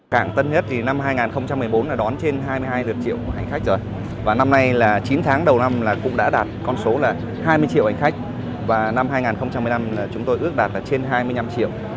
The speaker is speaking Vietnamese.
cảng tân nhất thì năm hai nghìn một mươi bốn là đón trên hai mươi hai lượt triệu hành khách rồi và năm nay là chín tháng đầu năm là cũng đã đạt con số là hai mươi triệu hành khách và năm hai nghìn một mươi năm là chúng tôi ước đạt là trên hai mươi năm triệu